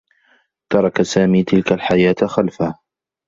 ترك سامي تلك الحياة خلفه.